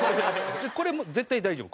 「これはもう絶対大丈夫。